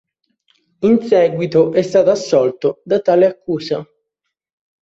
In seguito è stato assolto da tale accusa.